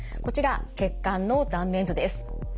こちら血管の断面図です。